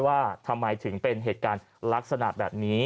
ว่าทำไมถึงเป็นเหตุการณ์ลักษณะแบบนี้